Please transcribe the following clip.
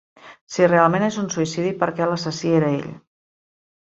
Si realment és un suïcidi perquè l'assassí era ell.